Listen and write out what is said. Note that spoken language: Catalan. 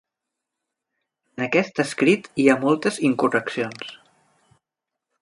En aquest escrit hi ha moltes incorreccions.